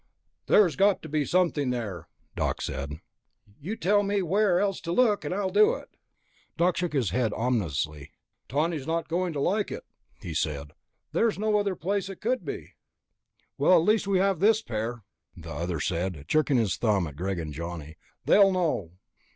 "There's got to be something there," Doc said. "You tell me where else to look, and I'll do it." Doc shook his head ominously. "Tawney's not going to like it," he said. "There's no other place it could be...." "Well, at least we have this pair," the other said, jerking a thumb at Greg and Johnny. "They'll know."